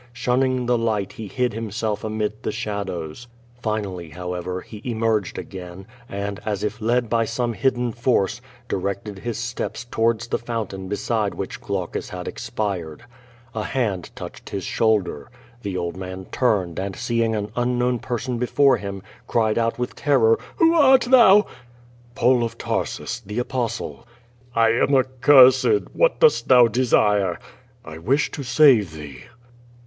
Shunning the light he hid himself amid the shadows. Finally, however, he emerged again, and, as if led by some hidden force, directed his steps towards the fountain beside which Glaucus had ex an 458 QUO VADIS. pired. A hand touched his shoulder.* The old man turned and seeing an unknown person before him, cried out with ter ror: "Who art thou?" "Paul of Tarsus, the Apostle." "I am accuivod. What doest thou desire?" "I wish to save thee."